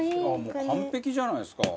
もう完璧じゃないですか。